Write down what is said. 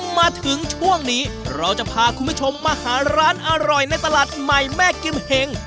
มาถึงช่วงนี้เราจะพาคุณผู้ชมมาหาร้านอร่อยในตลาดใหม่แม่กิมเห็ง